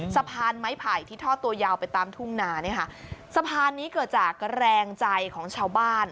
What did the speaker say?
สะพานไม้ไผ่ที่ทอดตัวยาวไปตามทุ่งนาเนี่ยค่ะสะพานนี้เกิดจากแรงใจของชาวบ้าน